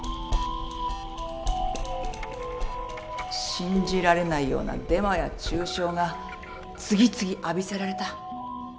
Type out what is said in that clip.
信じられないようなデマや中傷が次々浴びせられた。